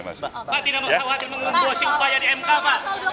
pak tidak mau sang wakil mengeluarkan upaya di mk pak